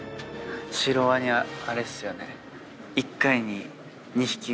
シロワニはあれですよね。